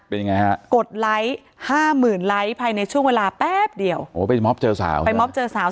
เป็นไงกดไลค์๕๐๐๐๐ไลค์ภายในช่วงเวลาแป๊บเดียวไปมอบเจอสาว